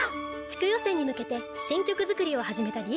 地区予選に向けて新曲作りを始めた「Ｌｉｅｌｌａ！」。